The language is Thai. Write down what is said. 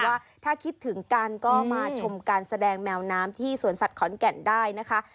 ว่าถ้าคิดถึงกันก็มาชมการแสดงแมวน้ำที่สวนสัตว์ขอนแก่นได้นะคะ